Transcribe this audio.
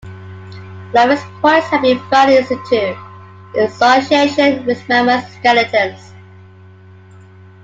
Clovis points have been found "in situ" in association with mammoth skeletons.